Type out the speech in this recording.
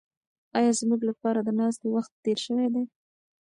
ایا زموږ لپاره د ناستې وخت تېر شوی دی؟